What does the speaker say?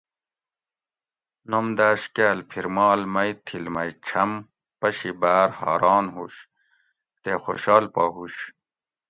نوم داۤش کاۤل پِھر مال مئ تھِل مئ چھم پشی باۤر حاران ہُوش تے خوشال پا ہُوش